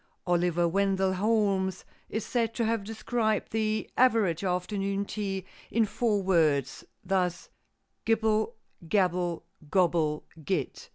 Oliver Wendell Holmes is said to have described the average afternoon tea in four words, thus: "Gibble, gabble, gobble, git."